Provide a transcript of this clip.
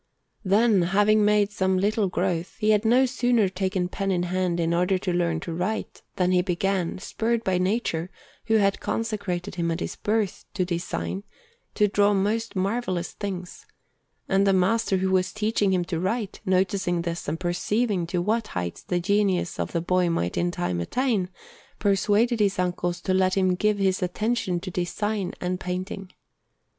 Then, having made some little growth, he had no sooner taken pen in hand in order to learn to write, than he began, spurred by Nature, who had consecrated him at his birth to design, to draw most marvellous things; and the master who was teaching him to write, noticing this and perceiving to what heights the genius of the boy might in time attain, persuaded his uncles to let him give his attention to design and painting.